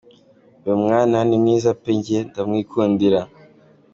uyu mwanani mwiza pe jye ndamwikundira.